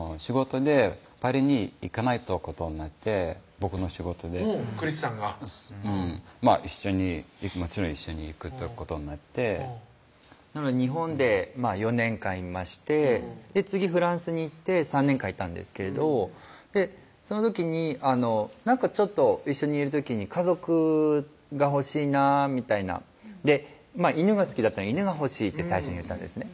僕の仕事でクリスさんがもちろん一緒に行くとことになってなので日本で４年間いまして次フランスに行って３年間いたんですけれどその時になんかちょっと一緒にいる時に家族が欲しいなみたいなで犬が好きだったので「犬が欲しい」って最初に言ったんですね